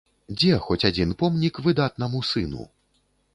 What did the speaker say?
Дзе хоць адзін помнік выдатнаму сыну?